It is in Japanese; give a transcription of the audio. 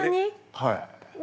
はい。